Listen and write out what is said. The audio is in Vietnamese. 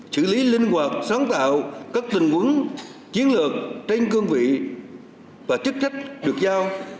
xử lý linh hoạt sáng tạo các tình huống chiến lược trên cương vị và chức trách được giao